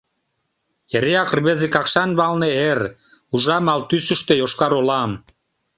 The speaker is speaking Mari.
Эреак рвезе Какшан валне эр, Ужам ал тӱсыштӧ Йошкар-Олам.